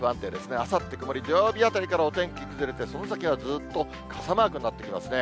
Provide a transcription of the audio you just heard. あさって曇り、土曜日あたりからお天気崩れて、その先はずっと傘マークなってきますね。